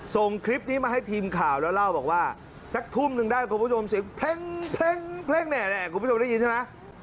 ส่งคลิปนี้มาให้ทีมข่าวแล้วเล่าบอกว่าสักทุ่มหนึ่งได้คุณผู้ชมเสียงเพลงเนี่ยคุณผู้ชมได้ยินใช่ไหม